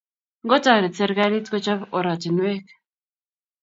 ngo taret serikalit kochop oratinwek